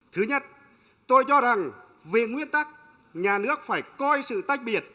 thứ nhất tôi cho rằng về nguyên tắc nhà nước phải coi sự tách biệt